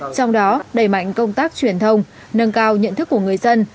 trong đó đẩy mạnh công tác truyền thông nâng cao nhận thức của người dân